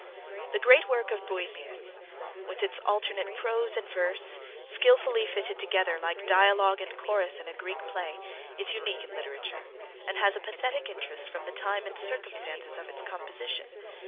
The great work of Boethius, with its alternate prose and verse, skilfully fitted together like dialogue and chorus in a Greek play, is unique in literature, and has a pathetic interest from the time and circumstances of its composition.